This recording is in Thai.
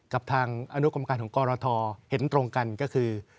กับทางอนุกรรมการของกรทเห็นตรงกันก็คือ